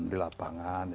di lapangan ya